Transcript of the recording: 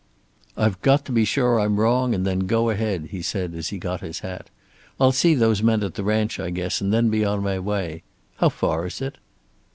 "I've got to be sure I'm wrong, and then go ahead," he said, as he got his hat. "I'll see those men at the ranch, I guess, and then be on my way. How far is it?"